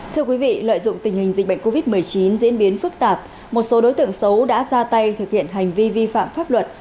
thưa quý vị lợi dụng tình hình dịch bệnh covid một mươi chín diễn biến phức tạp một số đối tượng xấu đã ra tay thực hiện hành vi vi phạm pháp luật